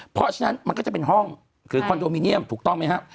เพราะฉะนั้นมันก็จะเป็นห้องหรือคอนโดมิเนียมถูกต้องไหมครับ